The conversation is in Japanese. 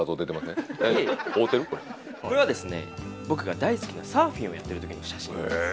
僕が大好きなサーフィンをやってる時の写真なんです。